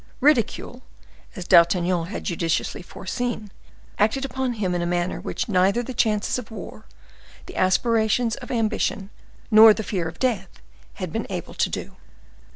Ridicule, as D'Artagnan had judiciously foreseen, acted upon him in a manner which neither the chances of war, the aspirations of ambition, nor the fear of death had been able to do.